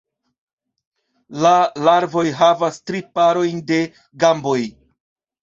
La larvoj havas tri parojn de gamboj.